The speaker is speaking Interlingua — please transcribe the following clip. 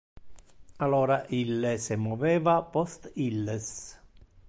Alora ille se moveva post illes.